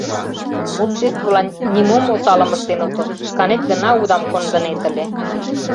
Обществылан нимом осалым ыштен отыл, шканет гына удам кондынет ыле.